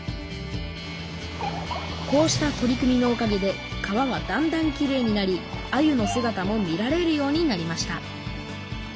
こうした取り組みのおかげで川はだんだんきれいになりあゆのすがたも見られるようになりました